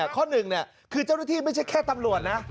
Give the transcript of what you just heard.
ข้อหนึ่งคือเจ้าหน้าที่ไม่ใช่แค่ตำรวจนะ